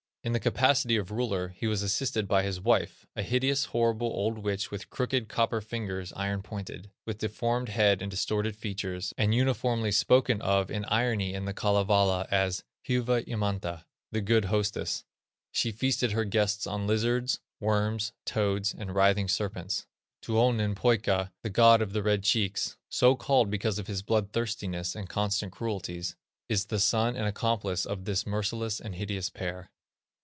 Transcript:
In the capacity of ruler he was assisted by his wife, a hideous, horrible, old witch with "crooked, copper fingers iron pointed," with deformed head and distorted features, and uniformly spoken of in irony in the Kalevala as "hyva emanta," the good hostess; she feasted her guests on lizards, worms, toads, and writhing serpents. Tuonen Poika, "The God of the Red Cheeks," so called because of his bloodthirstiness and constant cruelties, is the son and accomplice of this merciless and hideous pair.